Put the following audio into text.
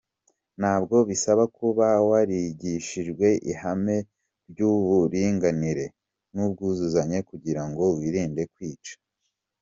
Ntabwo bisaba kuba warigishijwe ihame ry’uburinganire n’ubwuzuzanye kugira ngo wirinde kwica.